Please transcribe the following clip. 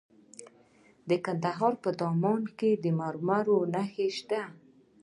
د کندهار په دامان کې د مرمرو نښې شته.